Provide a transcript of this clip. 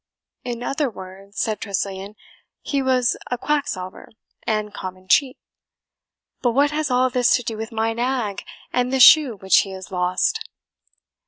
"In other words," said Tressilian, "he was a quacksalver and common cheat; but what has all this to do with my nag, and the shoe which he has lost?"